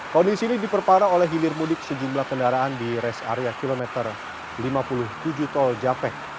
kondisi ini diperparah oleh hilir mudik sejumlah kendaraan di res area kilometer lima puluh tujuh tol japek